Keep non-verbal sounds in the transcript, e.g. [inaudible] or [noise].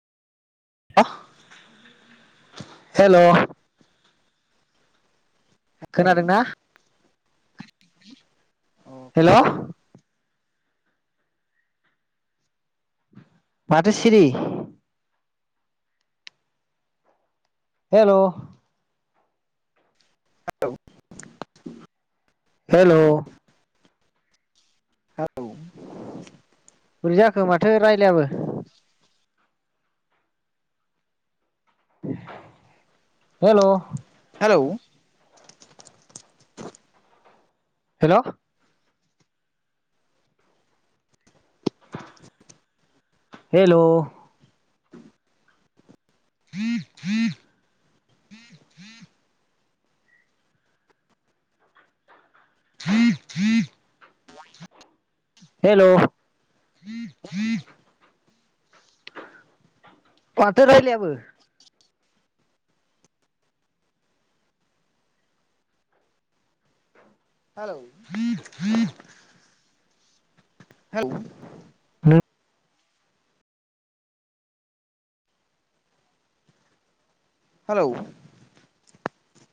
[unintelligible] हेल hello खोनादोंना? [unintelligible] Hello खोनादों माथो सिरि? हेल [unintelligible] हेल' औ बोरै जाखो माथो रायलायाबो? हेल' लौ हेलौ हेल' [inaudible] [inaudible] हेल' माथो रायलायाबो? Hello [inaudible] hello [unintelligible] hello